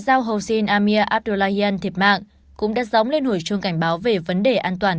giao hossein amir abdullahian thiệt mạng cũng đắt gióng lên hồi chuông cảnh báo về vấn đề an toàn